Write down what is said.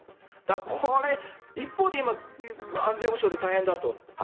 これ、一方で今、安全保障で大変だと。